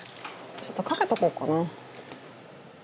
ちょっとかけておこうかな。